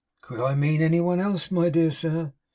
Could I mean any one else, my dear sir?